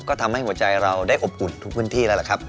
ก็ทำให้หัวใจเราได้อบอุ่นทุกพื้นที่แล้วล่ะครับ